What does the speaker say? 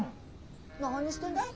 何してんだい？